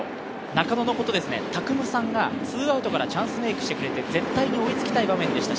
中野の事、拓夢さんが２アウトからチャンスメークしてくれて絶対追いつきたい場面でした。